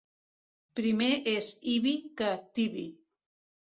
Primer és Ibi que Tibi.